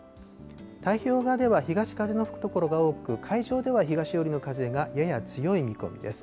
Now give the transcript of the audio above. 太平洋側では東風の吹く所が多く、海上では東寄りの風がやや強い見込みです。